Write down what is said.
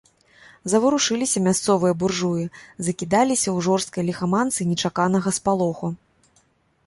Заварушыліся мясцовыя буржуі, закідаліся ў жорсткай ліхаманцы нечаканага спалоху.